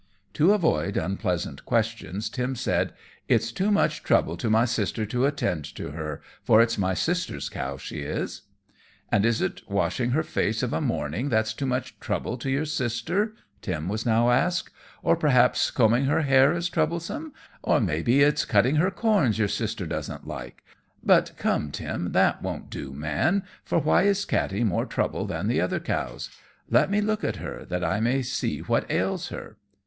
To avoid unpleasant questions, Tim said, "It's too much trouble to my sister to attend to her, for it's my sister's cow she is." "And is it washing her face of a morning that's too much trouble to your sister?" Tim was now asked; "or perhaps combing her hair is troublesome, or may be it's cutting her corns your sister doesn't like; but come, Tim, that won't do, Man, for why is Katty more trouble than the other cows? Let me look at her, that I may see what ails her."